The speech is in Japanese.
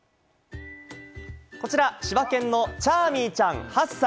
こちら柴犬のチャーミーちゃん、８歳。